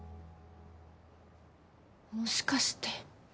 もしかして。